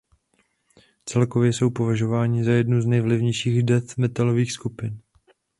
Celkově jsou považováni za jednu z nejvlivnějších death metalových skupin.